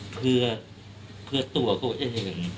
เพื่อตัวเขาเอง